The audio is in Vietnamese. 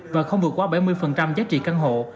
và không vượt qua bảy mươi giá trị căn hộ